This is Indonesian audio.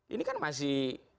ini kan masih